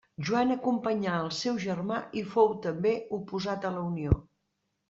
Joan acompanyà al seu germà i fou també oposat a la unió.